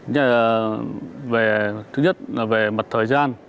nhất là về thứ nhất là về mặt thời gian